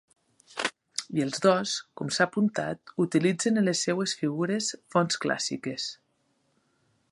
I els dos, com s'ha apuntat, utilitzen en les seues figures fonts clàssiques.